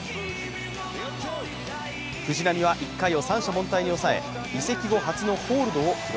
藤浪は１回を三者凡退に抑え、移籍後初のホールドを記録。